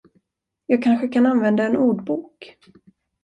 Jag kanske kan använda en ordbok.